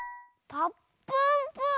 「ぱっぷんぷぅ」？